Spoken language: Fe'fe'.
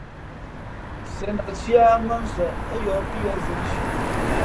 Sēn a cēh ā mά ń nsαꞌ ά yōhpíyʉ̄ᾱ zēn nshi.